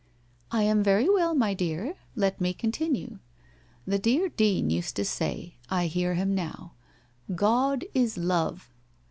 ' I am very well, my dear. Let me continue. The dear Dean used to say — I hear him now —" God is love